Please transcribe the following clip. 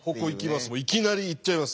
いきなりいっちゃいます。